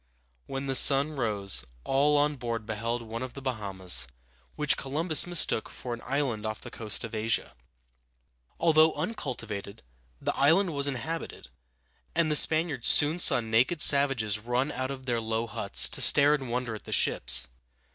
When the sun rose, all on board beheld one of the Ba ha´mas, which Columbus mistook for an island off the coast of Asia. [Illustration: John Vanderlyn, Artist. Landing of Columbus.] Although uncultivated, the island was inhabited, and the Spaniards soon saw naked savages run out of their low huts, to stare in wonder at the ships.